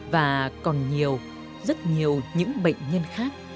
và còn nhiều rất nhiều những bệnh nhân khác